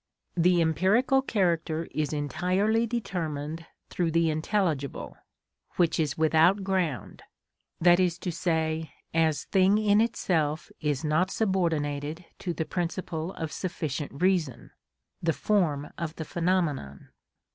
The empirical character is entirely determined through the intelligible, which is without ground, i.e., as thing in itself is not subordinated to the principle of sufficient reason (the form of the phenomenon).